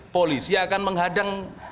polisi akan menghadang